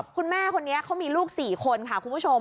คุณแม่คนนี้เขามีลูก๔คนค่ะคุณผู้ชม